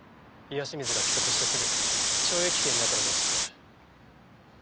岩清水が帰国してすぐ懲役刑になった事を知って。